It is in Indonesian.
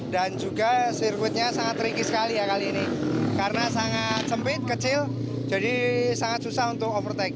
dan juga sirkuitnya sangat tricky sekali ya kali ini karena sangat sempit kecil jadi sangat susah untuk overtake